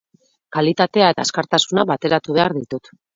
Kalitatea eta azkartasuna bateratu behar ditut.